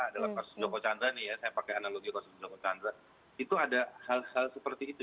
dalam hal joko candra nih ya saya pakai analogi joko candra itu ada hal hal seperti itu